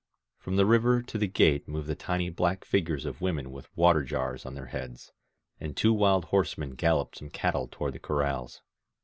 From the river to the gate moved the tiny black figures of women with water jars on their heads: and two wild horsemen galloped some cattle toward the corrals.